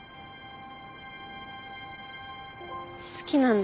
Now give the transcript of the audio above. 好きなんだ。